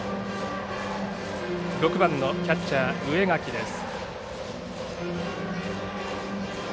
６番のキャッチャー植垣です。